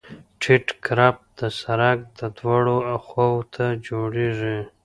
ټیټ کرب د سرک دواړو خواو ته جوړیږي